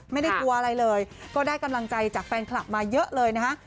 ไม่ได้กลัวอะไรเลยก็ได้กำลังใจจากแฟนคลับมาเยอะเลยนะฮะ